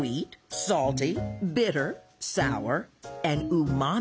うまい？